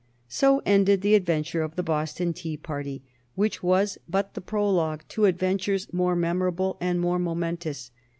So ended the adventure of the Boston Tea party, which was but the prologue to adventures more memorable and more momentous.